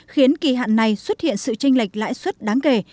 khiến kỳ hạn này xuất hiện sự tranh lệch lãi suất đáng kể